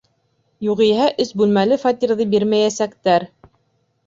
Юғиһә, өс бүлмәле фатирҙы бирмәйәсәктәр.